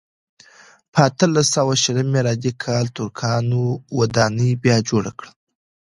په اتلس سوه شلم میلادي کال ترکانو ودانۍ بیا جوړه کړه.